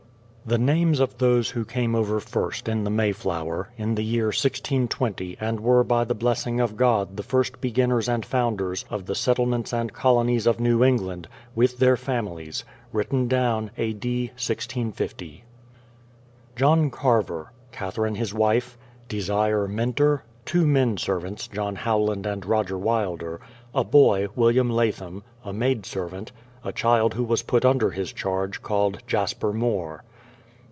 The names of those who came over first in the Mayflower, in the year 1620 and were by the blessing of God the first beginners and foxmders of the Settlements and Colonies of New England, with their families: written down A. D. 1650. JOHN CARVER; Katherine, his wife; DESIRE MINTER; two men servants, JOHN HOWLAND and ROGER WILDER; a boy, WILLIAM LATHAM ; a maid servant ; a child who was put under his charge, called JASPER MORE.